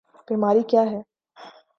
بیماری کیا ہے؟